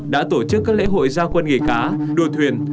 đã tổ chức các lễ hội gia quân nghề cá đua thuyền